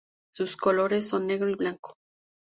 Sus colores son negro y blanco.